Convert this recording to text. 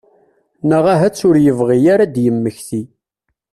Neɣ ahat ur yebɣi ara ad d-yemmekti.